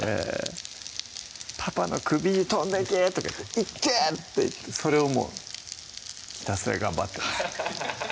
「パパの首に飛んでけ！」とか「いって！」って言ってそれをもうひたすら頑張ってます